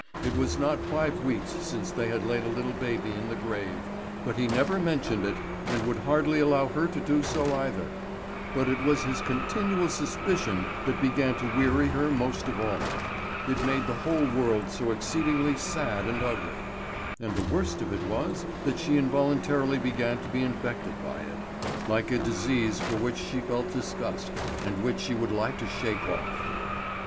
It was not five weeks since they had laid a little baby in the grave; but he never mentioned it, and would hardly allow her to do so either. But it was his continual suspicion that began to weary her most of all. It made the whole world so exceedingly sad and ugly; and the worst of it was that she involuntarily began to be infected by it, like a disease for which she felt disgust, and which she would like to shake off.